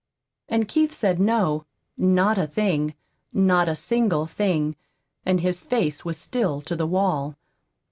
And Keith said no, not a thing, not a single thing. And his face was still to the wall.